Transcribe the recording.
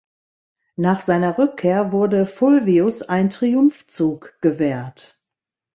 Nach seiner Rückkehr wurde Fulvius ein Triumphzug gewährt.